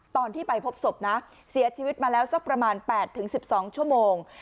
ตอนที่ไปพบศพนะเสียชีวิตมาแล้วสักประมาณ๘๑๒ชั่วโมง